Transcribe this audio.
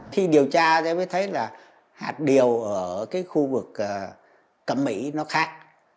khi điều tra thì mới thấy là hạt điều ở cái khu vực cẩm mỹ nó khác